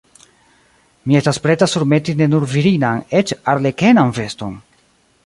Mi estas preta surmeti ne nur virinan, eĉ arlekenan veston!